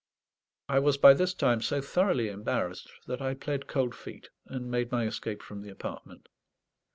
I was by this time so thoroughly embarrassed that I pled cold feet, and made my escape from the apartment.